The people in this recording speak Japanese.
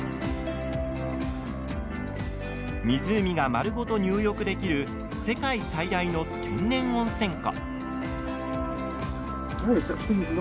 湖が丸ごと入浴できる世界最大の天然温泉湖。